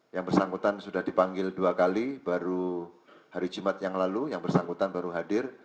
yang bersangkutan sudah dipanggil dua kali baru hari jumat yang lalu yang bersangkutan baru hadir